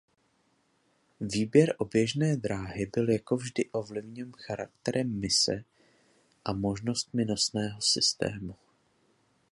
Výběr oběžné dráhy byl jako vždy ovlivněn charakterem mise a možnostmi nosného systému.